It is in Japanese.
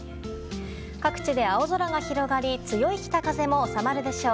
各地で青空が広がり強い北風も収まるでしょう。